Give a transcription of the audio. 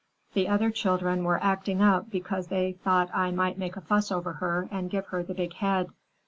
"The other children were acting up because they thought I might make a fuss over her and give her the big head.